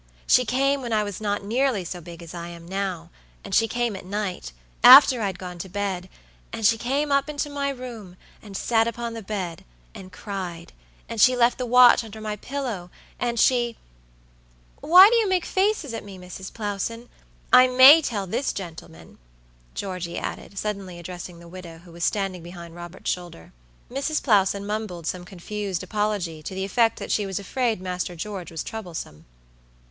"She came when I was not nearly so big as I am nowand she came at nightafter I'd gone to bed, and she came up into my room, and sat upon the bed, and criedand she left the watch under my pillow, and sheWhy do you make faces at me, Mrs. Plowson? I may tell this gentleman," Georgey added, suddenly addressing the widow, who was standing behind Robert's shoulder. Mrs. Plowson mumbled some confused apology to the effect that she was afraid Master George was troublesome.